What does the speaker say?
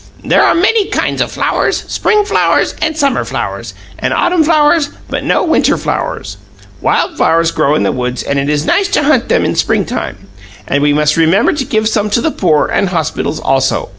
There are many kinds of flowers, spring flowers, and summer flowers, and autumn flowers, but no winter flowers. Wild flowers grow in the woods, and it is nice to hunt them in springtime, and we must remember to give some to the poor and hospitals, also.